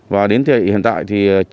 và đến thời hiện tại thì